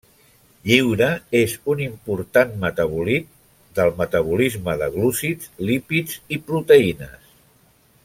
Lliure és un important metabòlit del metabolisme de glúcids, lípids i proteïnes.